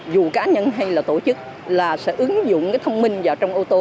dù cá nhân hay là tổ chức là sẽ ứng dụng cái thông minh vào trong ô tô